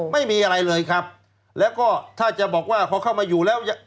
ไม่มีอะไรเลยครับแล้วก็ถ้าจะบอกว่าพอเข้ามาอยู่แล้ว